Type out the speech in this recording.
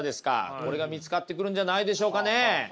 これが見つかってくるんじゃないでしょうかね。